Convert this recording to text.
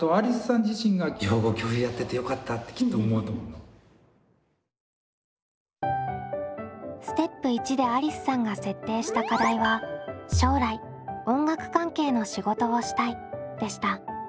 だからステップ①でありすさんが設定した課題は将来「音楽関係の仕事をしたい」でした。